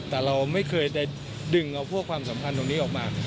แต่เราไม่เคยได้ดึงเอาพวกความสัมพันธ์ตรงนี้ออกมา